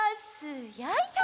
よいしょ！